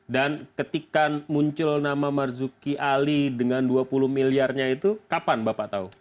dan ketika muncul nama marzuki ali dengan dua puluh miliarnya itu kapan bapak tahu